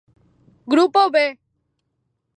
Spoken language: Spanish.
Grupo B